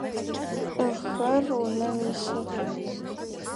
Лӏыхэр унэм исых.